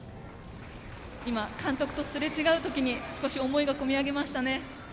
今、監督とすれ違う時に少し思いが込み上げましたね。